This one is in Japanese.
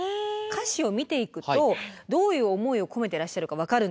歌詞を見ていくとどういう思いを込めてらっしゃるか分かるんですね。